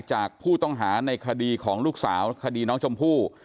จากผู้ต้องหาในคดีของลูกสาวคดีน้องชมพู่